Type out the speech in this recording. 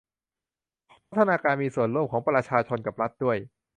พัฒนาการมีส่วนร่วมของประชาชนกับรัฐด้วย